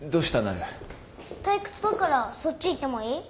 退屈だからそっち行ってもいい？